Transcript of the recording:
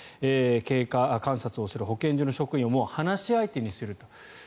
経過観察をする保健所の職員を話し相手にすると。